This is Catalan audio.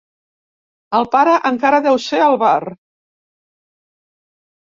El pare encara deu ser al bar.